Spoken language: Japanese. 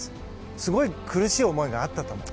すごい苦しい思いがあったと思う。